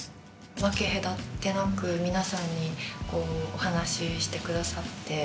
分け隔てなく皆さんにお話ししてくださって。